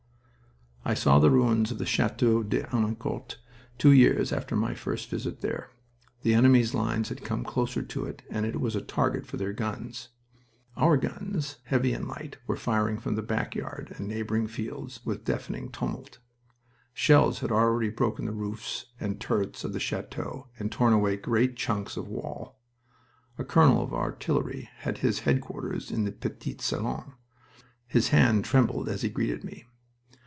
I saw the ruins of the Chateau de Henencourt two years after my first visit there. The enemy's line had come closer to it and it was a target for their guns. Our guns heavy and light were firing from the back yard and neighboring fields, with deafening tumult. Shells had already broken the roofs and turrets of the chateau and torn away great chunks of wall. A colonel of artillery had his headquarters in the petit salon. His hand trembled as he greeted me.